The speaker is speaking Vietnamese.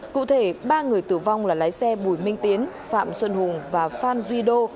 cụ thể ba người tử vong là lái xe bùi minh tiến phạm xuân hùng và phan duy đô